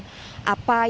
tni dan polri